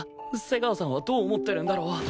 瀬川さんはどう思ってるんだろう？